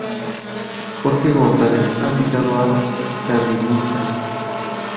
Jorge González ha citado a "Sandinista!